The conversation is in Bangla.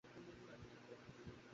আমি কাজে ঠিকমত মনোযোগ দিতে পারি না।